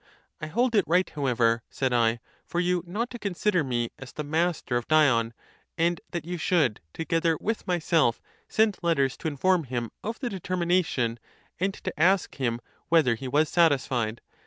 I hold it right however, said I, for you not to consider me as the master of Dion, and that you should, together with myself, send letters to inform him of the determination, and to ask him whether he was satisfied